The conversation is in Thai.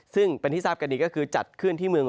ซึ่งเป็นที่ทราบกันดีก็คือจัดขึ้นที่เมือง